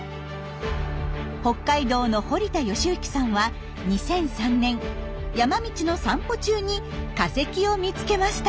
北海道の堀田良幸さんは２００３年山道の散歩中に化石を見つけました。